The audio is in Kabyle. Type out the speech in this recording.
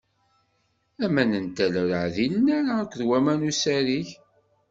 Aman n tala ur ɛdilen ara akked waman n usariǧ.